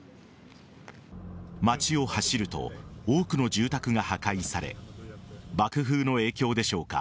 町を走ると多くの住宅が破壊され爆風の影響でしょうか。